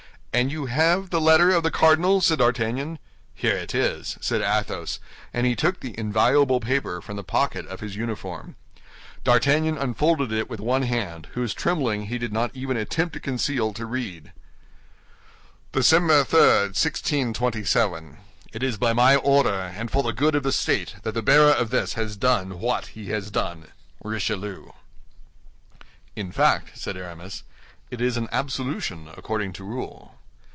"And you have that letter of the cardinal?" said D'Artagnan. "Here it is," said Athos; and he took the invaluable paper from the pocket of his uniform. D'Artagnan unfolded it with one hand, whose trembling he did not even attempt to conceal, to read: "Dec. 3, 1627 "It is by my order and for the good of the state that the bearer of this has done what he has done. "RICHELIEU" "In fact," said Aramis, "it is an absolution according to rule."